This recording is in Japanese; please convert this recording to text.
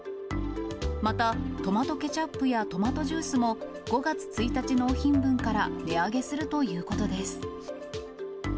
また、トマトケチャップやトマトジュースも、５月１日納品分から、値上げするということです。